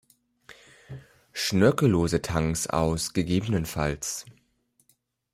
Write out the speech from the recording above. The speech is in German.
Schnörkellose Tanks aus ggf.